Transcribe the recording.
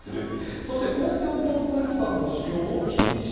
そして公共交通機関の使用を禁止。